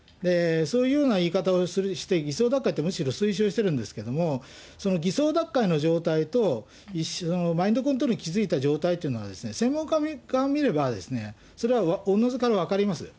そういうような言い方をして、偽装脱会ってむしろ推奨してるんですけれども、その偽装脱会の状態と、マインドコントロールに気付いた状態というのは、専門家から見れば、それはおのずから分かります。